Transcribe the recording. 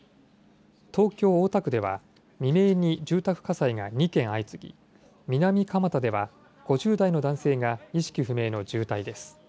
東京・大田区では未明に住宅火災が２件相次ぎ、南蒲田では５０代の男性が意識不明の重体です。